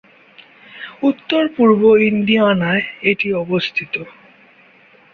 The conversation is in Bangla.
উত্তর-পূর্ব ইন্ডিয়ানায় এর অবস্থান।